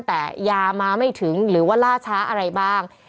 แต่ยามาไม่ถึงหรือว่าล่าช้าอะไรบ้าง